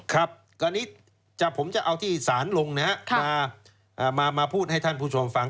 ครับตอนนี้ผมจะเอาที่สารลงนะครับมาพูดให้ท่านผู้ชมฟัง